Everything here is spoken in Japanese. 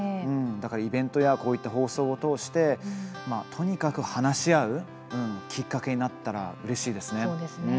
イベントやこういった放送を通して、とにかく話し合うきっかけになったらうれしいですね。